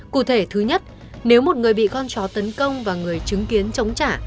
cụ thể thứ nhất nếu một người bị con chó tấn công và người chứng kiến chống trả